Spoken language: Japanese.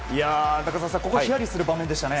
中澤さん、ここはヒヤリとする場面でしたね。